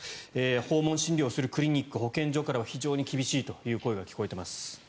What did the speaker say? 訪問診療をするクリニック、保健所からは非常に厳しいという声が聞こえています。